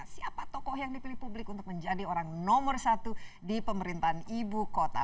siapa tokoh yang dipilih publik untuk menjadi orang nomor satu di pemerintahan ibu kota